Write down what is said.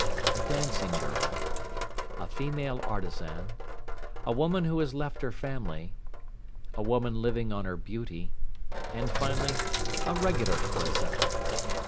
A dancing girl. A female artisan. A woman who has left her family. A woman living on her beauty. And, finally, a regular courtesan.